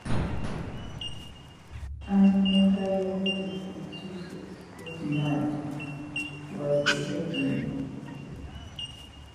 "An Entire Village in Sussex goes Mad" was the heading.